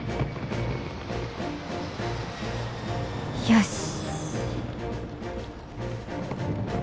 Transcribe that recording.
よし。